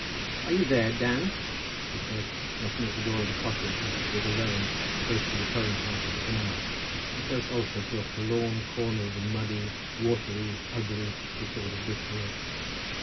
"Are you here, Dan?" he said, knocking at the door of a cottage which stood alone, close to the towing path of the canal, and close also to a forlorn corner of the muddy, watery, ugly, disordered brickfield.